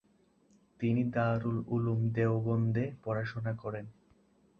তিনি দারুল উলুম দেওবন্দে পড়াশোনা করেন।